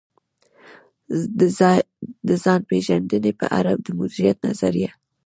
د ځان پېژندنې په اړه د مديريت نظريه.